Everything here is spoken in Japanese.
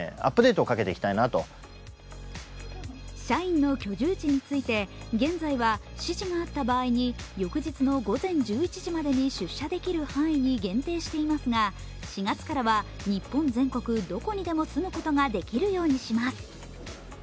社員の居住地について現在は指示があった場合に翌日の午前１１時までに出社できる範囲に限定していますが、４月からは日本全国どこにでも住むことができるようにします。